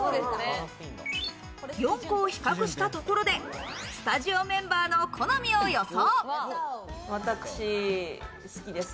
４個を比較したところでスタジオメンバーの好みを予想。